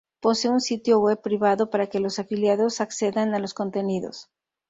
Posee un sitio web privado para que los afiliados accedan a los contenidos.